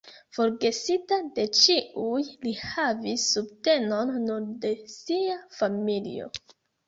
Forgesita de ĉiuj, li havis subtenon nur de sia familio.